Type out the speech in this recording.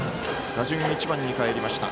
打順１番にかえりました。